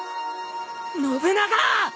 信長！